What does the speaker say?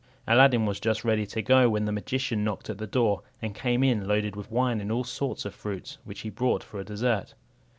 Aladdin was just ready to go, when the magician knocked at the door, and came in loaded with wine and all sorts of fruits, which he brought for a dessert.